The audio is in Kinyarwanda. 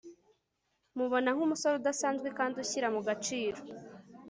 mubona nkumusore udasanzwe kandi ushyira mu gaciro